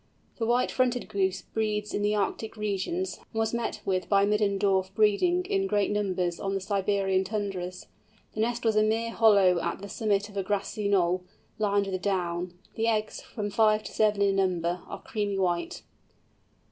The White fronted Goose breeds in the Arctic regions, and was met with by Middendorff breeding in great numbers on the Siberian tundras. The nest was a mere hollow at the summit of a grassy knoll, lined with down. The eggs, from five to seven in number, are creamy white.